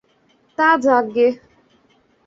তা যাক গে।